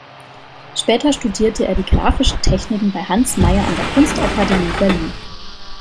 Später studierte er die grafischen Techniken bei Hans Mayer an der Kunstakademie Berlin.